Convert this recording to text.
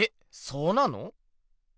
そうなの？